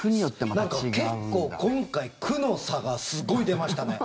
なんか結構、今回区の差がすごい出ましたね。